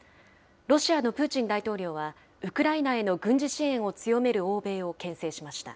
ロシアのプーチン大統領は、ウクライナへの軍事支援を強める欧米をけん制しました。